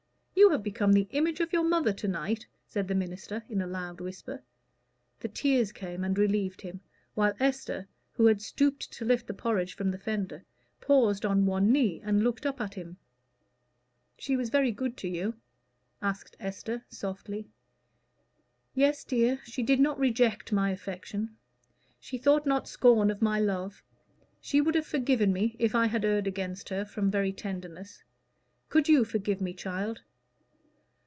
You have become the image of your mother to night," said the minister, in a loud whisper. The tears came and relieved him while Esther, who had stooped to lift the porridge from the fender, paused on one knee and looked up at him. "She was very good to you?" asked Esther, softly. "Yes, dear. She did not reject my affection. She thought not scorn of my love. She would have forgiven me, if I had erred against her, from very tenderness. Could you forgive me, child?"